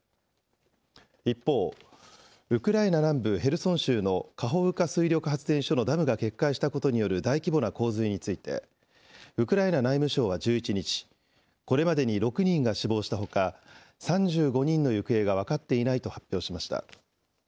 一方、ウクライナ南部ヘルソン州のカホウカ水力発電所のダムが決壊したことによる大規模な洪水について、ウクライナ内務省は１１日、これまでに６人が死亡したほか、３５人の行方が分かっていないと発表しました。